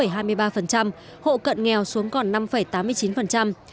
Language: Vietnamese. hộ cận nghèo xuống còn năm tám mươi chín